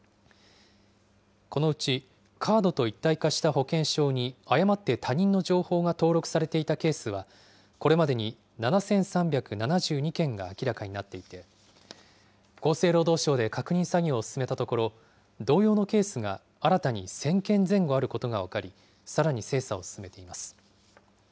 このうち、カードと一体化した保険証に誤って他人の情報が登録されていたケースは、これまでに７３７２件が明らかになっていて、厚生労働省で確認作業を進めたところ、同様のケースが新たに１０００件前後あることが分かり、さらに精査を進めています。